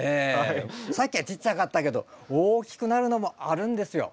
さっきはちっちゃかったけど大きくなるのもあるんですよええ。